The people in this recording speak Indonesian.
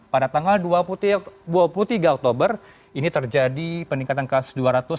pada tanggal dua puluh tiga oktober ini terjadi peningkatan kasus dua ratus sembilan puluh